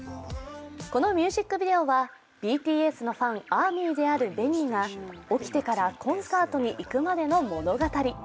このミュージックビデオはＢＴＳのファン、ＡＲＭＹであるベニーが起きてからコンサートに行くまでの物語。